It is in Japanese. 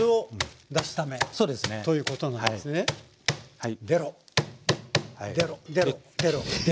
はい。